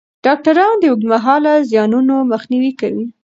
ډاکټران د اوږدمهاله زیانونو مخنیوی کوي.